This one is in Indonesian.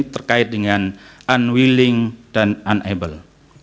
terkait dengan unwilling dan unnable